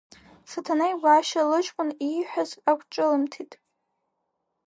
Саҭанеи Гәашьа лыҷкәын ииҳәаз ақәҿылымҭит.